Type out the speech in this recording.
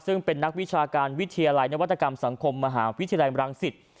ซึ่งเป็นนักวิชาการวิทยาลัยนวัตกรรมสังคมมหาวิทยาลัยบรังสิต